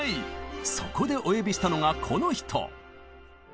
そこでお呼びしたのがこの人！